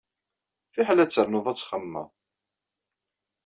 Fiḥel ad ternuḍ ad txemmemeḍ.